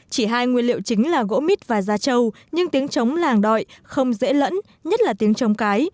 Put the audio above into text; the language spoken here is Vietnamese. chỉ hai nguyên liệu chính là gỗ mít và gia trâu nhưng tiếng trống làng đọi không dễ lẫn nhất là tiếng trống cái